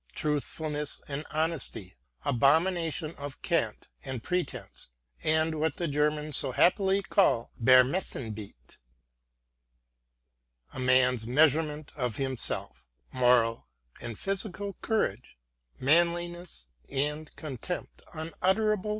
Truth fulness and honesty, abomination of cant and pretence and what the Germans so happily call Vermessenheit, a man's mismeasurement of him self ; moral and physical courage ; manliness^ and contempt unutterable